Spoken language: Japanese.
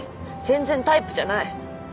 全然タイプじゃない。